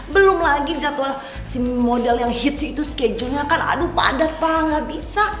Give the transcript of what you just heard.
belum lagi jadwal si model yang hits itu schedule nya kan aduh padat pak gak bisa